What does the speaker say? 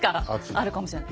あるかもしれない。